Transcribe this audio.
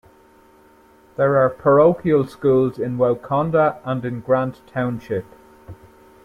There are parochial schools in Wauconda and in Grant Township.